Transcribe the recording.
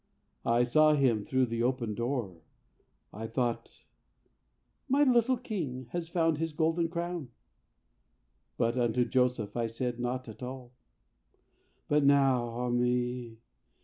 I saw him through the open door. I thought, 'My little king has found his golden crown.' But unto Joseph I said nought at all. "But now, ah me!